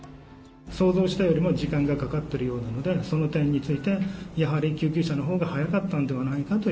想像したよりも時間がかかっているようなので、その点について、やはり救急車のほうが早かったのではないかと。